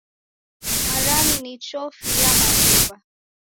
Marami ni chofi ya maghuw'a.